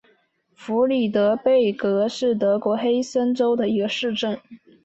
弗里德贝格是德国黑森州的一个市镇。